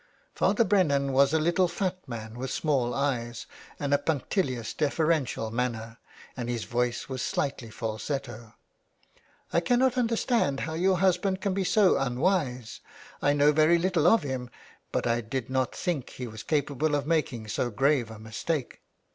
Father Brennan was a little fat man with small eyes and a punctilious deferential manner, and his voice was slightly falsetto. '' I cannot understand how your husband can be so unwise. I know very little of him, but I did not think he was capable of making so grave a mistake.